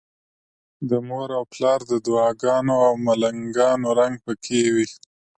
د مور او پلار د دعاګانو او ملنګانو رنګ پکې وي.